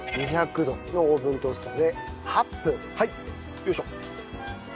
よいしょ。